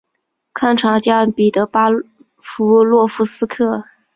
堪察加彼得巴夫洛夫斯克。